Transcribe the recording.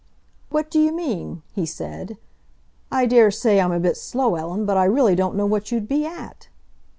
"What d'you mean?" he said. "I daresay I'm a bit slow, Ellen, but I really don't know what you'd be at?"